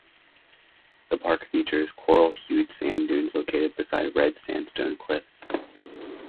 The park features coral-hued sand dunes located beside red sandstone cliffs.